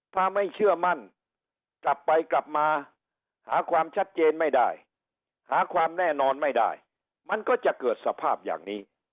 ถ้าไม่เชื่อมั่นกลับไปกลับมาหาความชัดเจนไม่ได้หาความแน่นอนไม่ได้มันก็จะเกิดสภาพอย่างนี้